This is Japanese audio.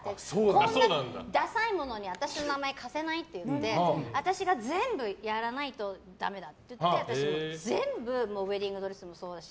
こんなダサいものに私の名前貸せないって言って私が全部やらないとって言ってウェディングドレスもそうだし